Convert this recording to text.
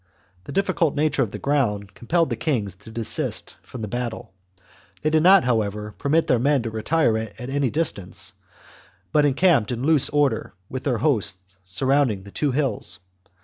The difficult nature of the ground compelled the kings to desist from the battle ; they did not, however, permit their men to retire to any distance, but encamped in loose order with their hosts surrounding the two hills.